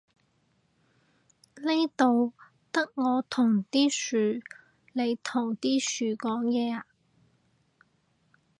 呢度得我同啲樹，你同啲樹講嘢呀？